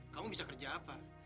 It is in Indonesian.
kamu bisa kerja apa